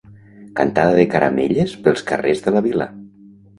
Cantada de caramelles pels carrers de la vila.